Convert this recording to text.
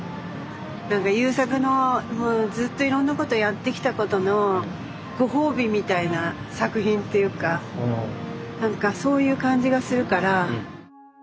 何か優作のずっといろんなことやってきたことのご褒美みたいな作品っていうか何かそういう感じがするから。